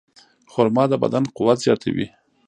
خرما د بدن قوت زیاتوي.